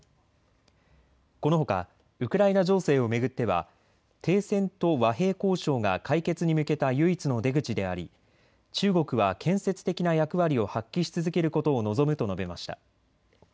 このほかウクライナ情勢を巡っては停戦と和平交渉が解決に向けた唯一の出口であり中国は建設的な役割を発揮し続けることを望むと述べました。